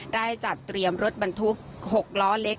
ได้จัดเตรียมรถบรรทุก๖ล้อเล็ก